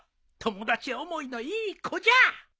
友達思いのいい子じゃ。